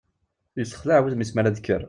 Isexlaɛ wudem-is mi ara d-tekker.